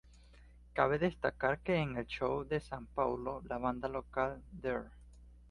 Cabe destacar que en el show de Sao Paulo la banda local Dr.